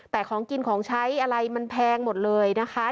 แต่ของกินของใช้อะไรมันแพงหมดเลยนะคะ